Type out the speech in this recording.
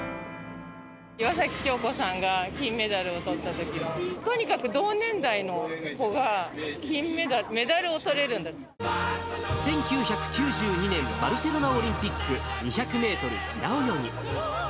岩崎恭子さんが金メダルをとったときのとにかく同年代の子が金メダル、メダルをとれるんだっ１９９２年バルセロナオリンピック２００メートル平泳ぎ。